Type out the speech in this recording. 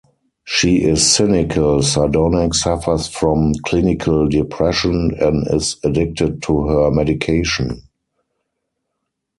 She is cynical, sardonic, suffers from clinical depression and is addicted to her medication.